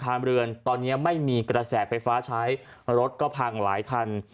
เรือนตอนนี้ไม่มีกระแสไฟฟ้าใช้รถก็พังหลายคัน